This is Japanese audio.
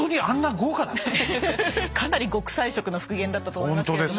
かなり極彩色の復元だったと思いますけども。